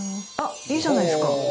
いいじゃないですか。